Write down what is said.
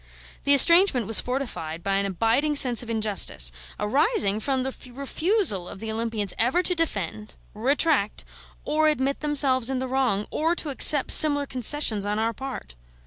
The estrangement was fortified by an abiding sense of injustice, arising from the refusal of the Olympians ever to defend, retract, or admit themselves in the wrong, or to accept similar concessions on our part.